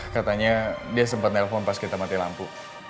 katanya dia sempat nelpon pas kita mati lampu